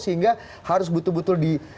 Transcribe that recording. sehingga harus betul betul